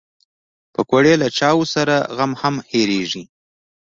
پکورې له چای سره غم هم هېرېږي